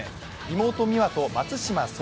妹・美和と松島輝